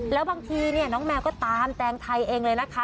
แล้วบางทีน้องแมวก็ตามแตงไทยเองเลยนะคะ